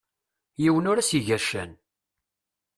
Yiwen ur as-iga ccan.